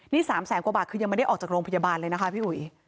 นี่๓แสนกว่าบาทคือยังไม่ได้ออกจากโรงพยาบาลเลยนะคะพี่อุ๋ย